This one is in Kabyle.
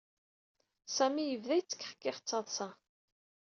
Sami yebda yettkexkix d taḍṣa.